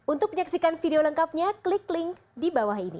untuk menyaksikan video lengkapnya klik link di bawah ini